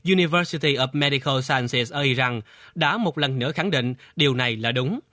university of medical sciences ở iran đã một lần nữa khẳng định điều này là đúng